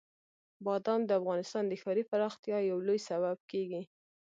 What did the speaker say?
بادام د افغانستان د ښاري پراختیا یو لوی سبب کېږي.